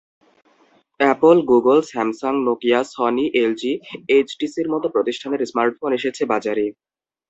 Apple, Google, Samsung, Nokia, Sony, LG, এইচটিসির মতো প্রতিষ্ঠানের স্মার্টফোন এসেছে বাজারে।